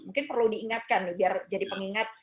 mungkin perlu diingatkan nih biar jadi pengingat